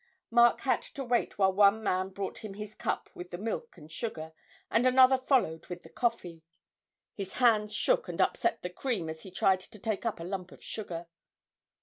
Mark had to wait while one man brought him his cup with the milk and sugar, and another followed with the coffee. His hands shook and upset the cream as he tried to take up a lump of sugar.